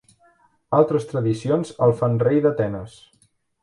Altres tradicions el fan rei d'Atenes.